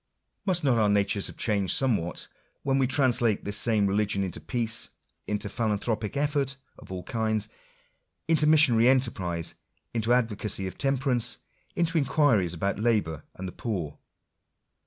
Must not our natures have changed somewhat, when we translate this same religion into peace, into philanthropic effort of all kinds, into missionary enterprise, into advocacy of temperance, into inquiries about " labour and the poor"